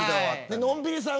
のんびりさん